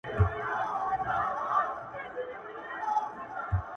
ځيني خلک غوسه دي او ځيني خاموش ولاړ دي,